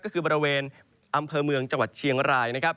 ก็คือบริเวณอำเภอเมืองจังหวัดเชียงรายนะครับ